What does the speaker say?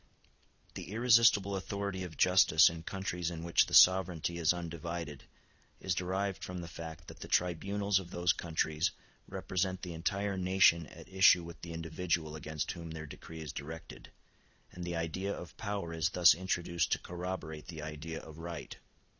The irresistible authority of justice in countries in which the sovereignty in undivided is derived from the fact that the tribunals of those countries represent the entire nation at issue with the individual against whom their decree is directed, and the idea of power is thus introduced to corroborate the idea of right.